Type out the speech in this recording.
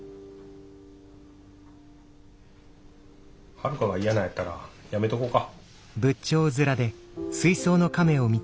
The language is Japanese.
はるかが嫌なんやったらやめとこうか。